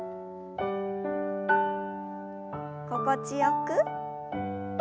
心地よく。